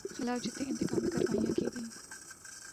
خلاف جتنی انتقامی کارروائیاں کی گئیں